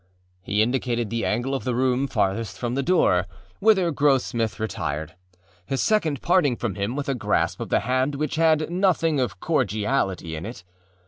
â He indicated the angle of the room farthest from the door, whither Grossmith retired, his second parting from him with a grasp of the hand which had nothing of cordiality in it.